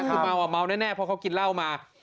คือเมาอ่ะเมาแน่เพราะเขากินเหล้ามา